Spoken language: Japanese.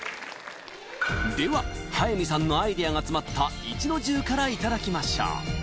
では速水さんのアイデアが詰まった一の重からいただきましょう